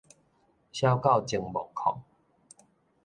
痟狗舂墓壙